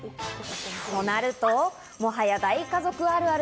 となると、もはや大家族あるある。